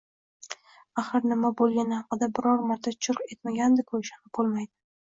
Axir u nima bo`lgani haqida biror marta churq etmagandi-ku…Ishonib bo`lmaydi